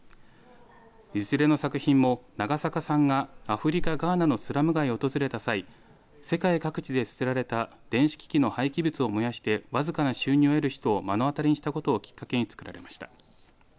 いずれの作品も長坂さんがアフリカ、ガーナのスラム街を訪れた際、世界各地で捨てられた電子機器の廃棄物を燃やして僅かな収入を得る人を目の当たりにしたことをきっかけに作られました。